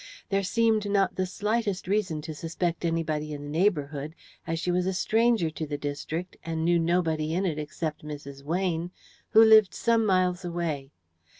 There seemed not the slightest reason to suspect anybody in the neighbourhood, as she was a stranger to the district, and knew nobody in it except Mrs. Weyne, who lived some miles away.